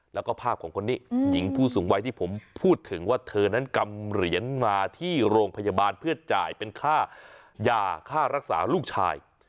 แล้วก็ภาพของคนนี้หญิงผู้สูงวัยที่ผมพูดถึงว่าเธอนั้นกำเหรียญมาที่โรงพยาบาลเพื่อจ่ายเป็นค่ายาค่ารักษาลูกชาย